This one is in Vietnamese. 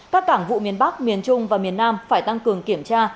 các cảng vụ miền bắc miền trung và miền nam phải tăng cường kiểm tra